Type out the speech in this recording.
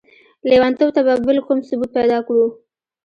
ليونتوب ته به بل کوم ثبوت پيدا کړو؟!